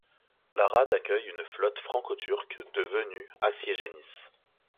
La rade accueille une flotte franco-turque de venues assiéger Nice.